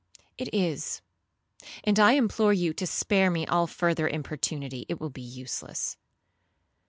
'—'It is, and I implore you to spare me all further importunity,—it will be useless.'